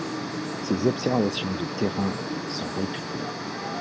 Ses observations de terrain sont réputées.